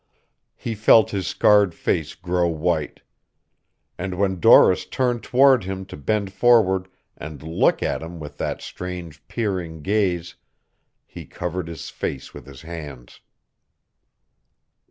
He felt his scarred face grow white. And when Doris turned toward him to bend forward and look at him with that strange, peering gaze, he covered his face with his hands.